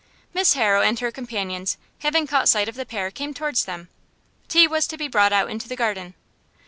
Miss Harrow and her companions, having caught sight of the pair, came towards them. Tea was to be brought out into the garden.